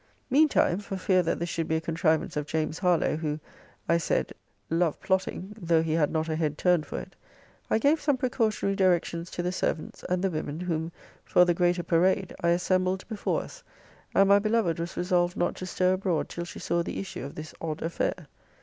Mean time, for fear that this should be a contrivance of James Harlowe, who, I said, love plotting, though he had not a head turned for it, I gave some precautionary directions to the servants, and the women, whom, for the greater parade, I assembled before us, and my beloved was resolved not to stir abroad till she saw the issue of this odd affair.